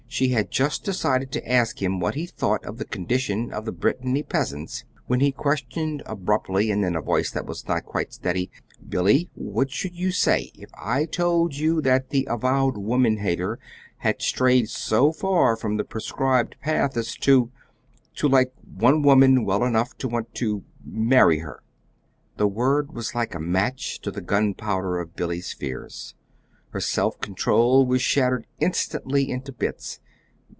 She had just decided to ask him what he thought of the condition of the Brittany peasants, when he questioned abruptly, and in a voice that was not quite steady: "Billy, what should you say if I should tell you that the avowed woman hater had strayed so far from the prescribed path as to to like one woman well enough as to want to marry her?" The word was like a match to the gunpowder of Billy's fears. Her self control was shattered instantly into bits.